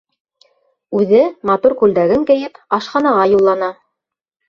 Үҙе, матур күлдәген кейеп, ашханаға юллана.